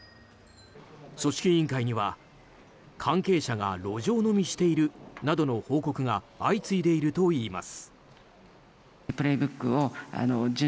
組織委員会には関係者が路上飲みしているなどの報告が相次いでいるといいます。